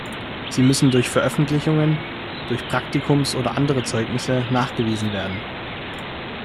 Sie müssen durch Veröffentlichungen, durch Praktikums- oder andere Zeugnisse nachgewiesen werden.